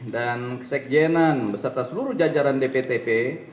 dan sekjenan beserta seluruh jajaran dptp